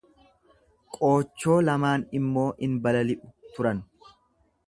Qoochoo lamaan immoo in balali'u turan.